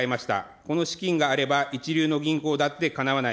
この資金があれば、一流の銀行だって、かなわない。